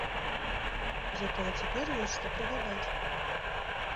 Затое цяпер ёсць, што прыгадаць.